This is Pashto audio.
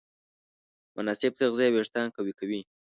مناسب تغذیه وېښتيان قوي کوي.